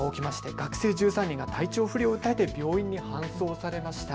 学生１３人が体調不良を訴えて病院に搬送されました。